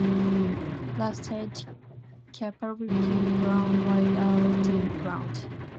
Lancelot "Capability" Brown laid out the grounds.